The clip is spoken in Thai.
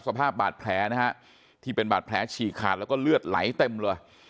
สภาพบาดแผลนะฮะที่เป็นบาดแผลฉีกขาดแล้วก็เลือดไหลเต็มเลย